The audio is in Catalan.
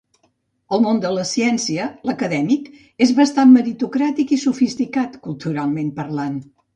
El món de la ciència, l’acadèmic, és bastant meritocràtic i sofisticat, culturalment parlant.